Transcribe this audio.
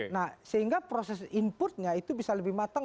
nah sehingga proses inputnya itu bisa lebih matang